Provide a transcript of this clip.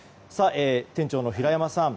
店長の平山さん